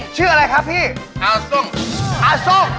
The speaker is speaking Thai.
เชื่ออะไรคะพี่อาซ่งอาซ่ง